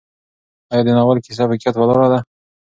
ایا د ناول کیسه په حقیقت ولاړه ده؟